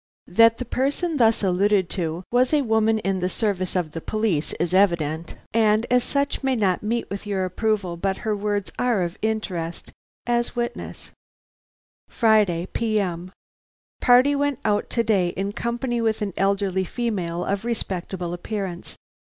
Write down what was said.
That the person thus alluded to was a woman in the service of the police is evident, and as such may not meet with your approval, but her words are of interest, as witness: "Friday P.M. "Party went out to day in company with an elderly female of respectable appearance.